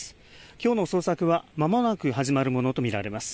きょうの捜索はまもなく始まるものと見られます。